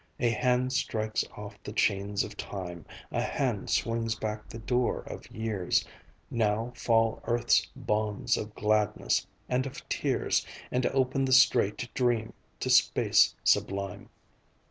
A hand strikes off the chains of Time, A hand swings back the door of years; Now fall earth's bonds of gladness and of tears, And opens the strait dream to space sublime."